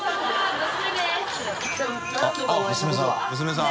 娘さん。